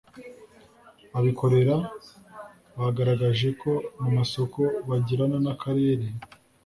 Abikorera bagaragaje ko mu masoko bagirana n’Akarere